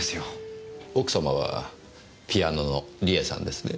奥様はピアノの梨絵さんですね？